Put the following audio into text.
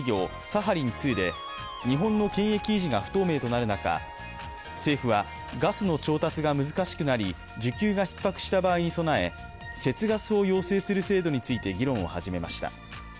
サハリン２で日本の権益維持が不透明となるほか政府は、ガスの調達が難しくなり需給がひっ迫した場合に備え節ガスを要請する制度について議論を始めました。